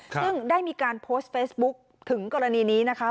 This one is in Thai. ซึ่งได้มีการโพสต์เฟซบุ๊คถึงกรณีนี้นะคะ